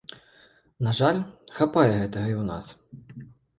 На жаль, хапае гэтага і ў нас.